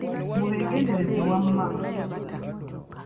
Mubeegendereze wamma.